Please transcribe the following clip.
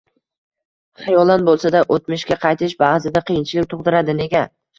Xayolan bo‘lsa-da o‘tmishga qaytish ba’zida qiyinchilik tug‘diradi. Nega?